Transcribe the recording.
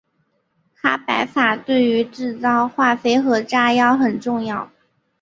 哈柏法对于制造化肥和炸药很重要。